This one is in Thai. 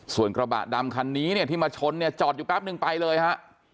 ส่วนกระบะดำคันนี้เนี่ยที่มาชนเนี่ยจอดอยู่แป๊บนึงไปเลยฮะ